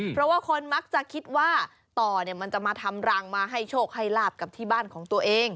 เพราะว่าคนมักจะคิดว่าต่อมันจะมาทำรังมาให้โชคให้ลาบกับที่บ้านของตัวเอง